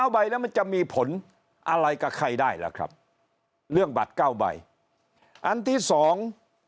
ใบแล้วมันจะมีผลอะไรกับใครได้ล่ะครับเรื่องบัตรเก้าใบอันที่สอง